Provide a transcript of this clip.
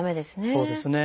そうですね。